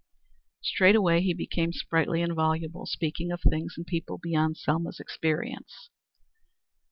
Straightway he became sprightly and voluble, speaking of things and people beyond Selma's experience.